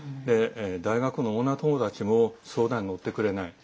大学の女友達も相談に乗ってくれない。